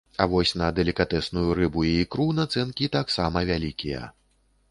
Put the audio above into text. А вось на далікатэсную рыбу і ікру нацэнкі таксама вялікія.